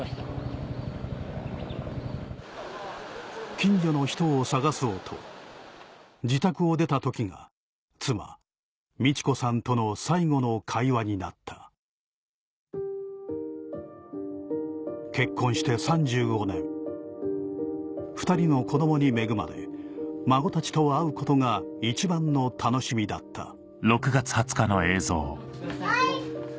近所の人を捜そうと自宅を出た時が妻・路子さんとの最後の会話になった結婚して３５年２人の子供に恵まれ孫たちと会うことが一番の楽しみだったはい！